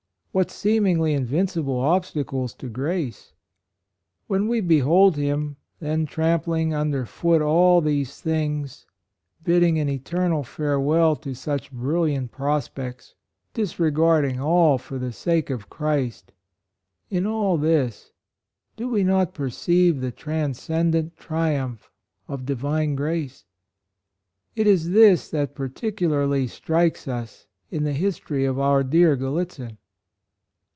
— what seem ingly invincible obstacles to grace ! When we behold him, then tramp ling under foot all these things — bidding an eternal farewell to such brilliant prospects — disregarding all for the sake of Christ; in all this do we not perceive the transcend ant triumph of divine grace ? It is this that particularly strikes us in the history of our dear Gallitzin.